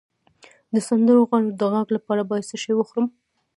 د سندرغاړو د غږ لپاره باید څه شی وخورم؟